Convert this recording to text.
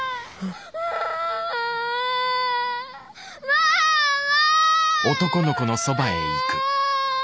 ・ママ！